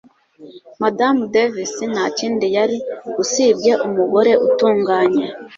Madamu Davis ntakindi yari usibye umugore utunganye.